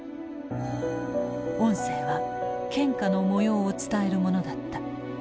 音声は献花の模様を伝えるものだった。